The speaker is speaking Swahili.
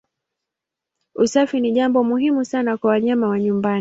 Usafi ni jambo muhimu sana kwa wanyama wa nyumbani.